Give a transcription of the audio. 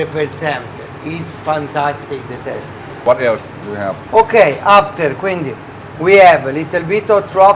เป็นทรัฟที่กำลังถูกสร้างทุกครั้ง